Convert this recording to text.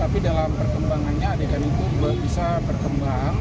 tapi dalam perkembangannya adegan itu belum bisa berkembang